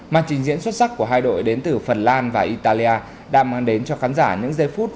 màn trình diễn xuất sắc của hai đội đến từ phần lan và italia đã mang đến cho khán giả những giây phút